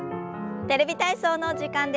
「テレビ体操」の時間です。